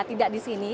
tidak di sini